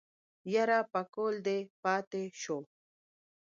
يره پکول دې پاتې شو.